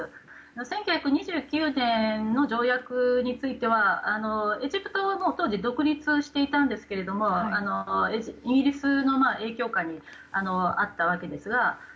１９２９年の条約についてはエジプトは当時独立していたんですけどイギリスの影響下にあったわけですが。